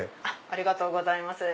ありがとうございます。